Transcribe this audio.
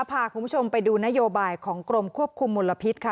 พาคุณผู้ชมไปดูนโยบายของกรมควบคุมมลพิษค่ะ